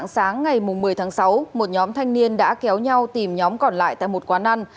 sáng ngày một mươi tháng sáu một nhóm thanh niên đã kéo nhau tìm nhóm còn lại tại một quán ăn